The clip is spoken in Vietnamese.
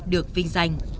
được vinh danh